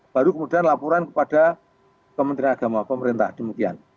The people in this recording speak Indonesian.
baru kemudian laporan kepada kementerian agama pemerintah demikian